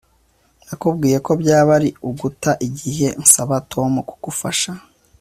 Nakubwiye ko byaba ari uguta igihe nsaba Tom kugufasha